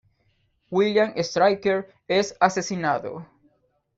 William Stryker es asesinado.